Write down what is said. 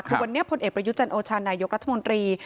ทุกวันนี้ผลเอกพระยุทธจันทร์โอชานายกรัฐมนตรี